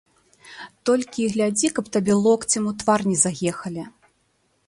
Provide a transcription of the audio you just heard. Толькі і глядзі, каб табе локцем ў твар не заехалі.